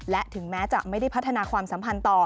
และถึงแม้จะไม่ได้พัฒนาความสัมพันธ์ต่อ